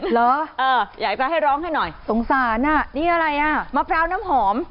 เหรอเอออยากให้ร้องให้หน่อยสงสารอ่ะนี่อะไรอ่ะมะพร้าวน้ำหอม